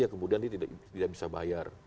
kemudian dia tidak bisa bayar